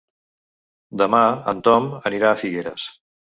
Demà en Tom anirà a Figueres.